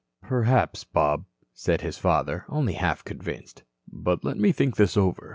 "Perhaps, Bob," said his father, only half convinced. "But let me think this over.